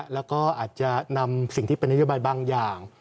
แล้วก็อาจจะนำสิ่งที่เป็นนโยบายบางอย่าง